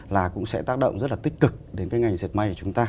là cũng sẽ tác động rất là tích cực đến cái ngành dệt may của chúng ta